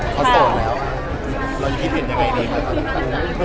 เขาโสดแล้วเรายิ่งคิดเห็นยังไงดีค่ะ